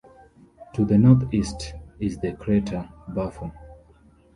To the northeast is the crater Buffon.